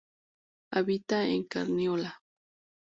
Habita en Carniola.